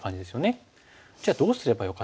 じゃあどうすればよかったのか。